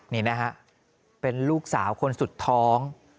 นี่นะฮะเป็นลูกสาวคนสุดท้อง